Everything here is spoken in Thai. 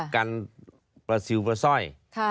การประสิวประส่อย